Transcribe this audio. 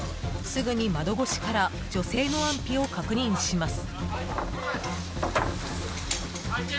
すぐに窓越しから女性の安否を確認します。